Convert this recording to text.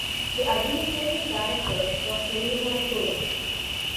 The Administrative Director was Selina Chow.